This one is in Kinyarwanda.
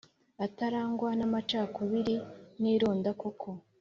Atarangwa n amacakubiri n ironda koko